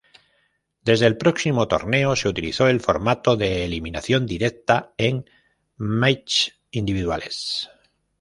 Desde el próximo torneo, se utilizó el formato de eliminación directa en "matches" individuales.